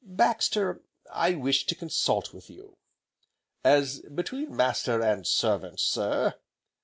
"Baxter, I wish to consult with you." "As between Master and Servant, sir?"